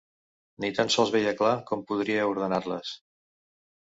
Ni tan sols veia clar com podria ordenar-les.